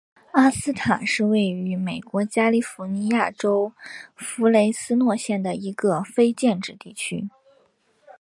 隆斯塔是位于美国加利福尼亚州弗雷斯诺县的一个非建制地区。